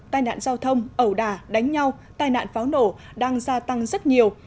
tai nạn giao thông ẩu đà đánh nhau tai nạn pháo nổ đang gia tăng rất nhiều